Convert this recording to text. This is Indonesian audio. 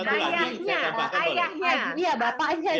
ayahnya iya bapaknya